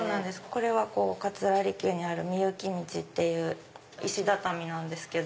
これは桂離宮にある御幸道っていう石畳なんです。